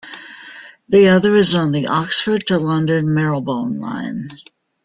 The other is on the Oxford to London Marylebone Line.